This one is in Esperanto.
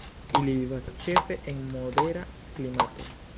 Ili vivas ĉefe en modera klimato.